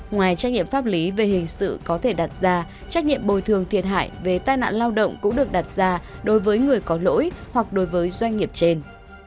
ngoài trách nhiệm pháp lý về hình sự có thể đặt ra trách nhiệm bồi thường thiệt hại về tai nạn lao động cũng được đặt ra đối với người có lỗi hoặc đối với doanh nghiệp trên